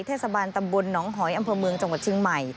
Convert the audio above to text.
เทศบาลตำบลหนองหอยอำเภอเมืองจังหวัดเชียงใหม่